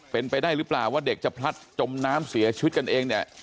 เป็นไปได้หรือเปล่าว่าเด็กจะพลัดจมน้ำเสียชีวิตกันเองเนี่ย